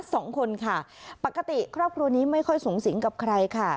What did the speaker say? สองคนค่ะปกติครอบครัวนี้ไม่ค่อยสูงสิงกับใครค่ะ